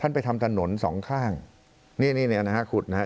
ไปทำถนนสองข้างนี่นี่เนี่ยนะฮะขุดนะฮะ